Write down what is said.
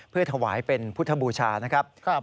เพื่อถวายเป็นพุทธบูชานะครับ